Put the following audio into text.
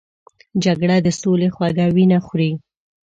جګړه د سولې خوږه وینه خوري